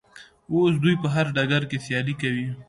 اوس دوی په هر ډګر کې سیالي کوي.